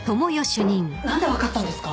何で分かったんですか？